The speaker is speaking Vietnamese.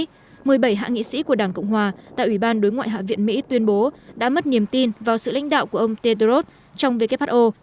trước đó một mươi bảy hạ nghị sĩ của đảng cộng hòa tại ủy ban đối ngoại hạ viện mỹ tuyên bố đã mất niềm tin vào sự lãnh đạo của ông tedros trong who